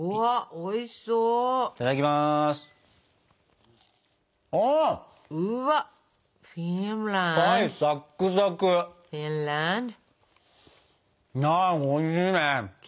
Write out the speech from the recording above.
おいしいね。